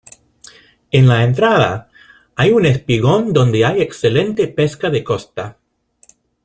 En la entrada hay un espigón donde hay excelente pesca de costa.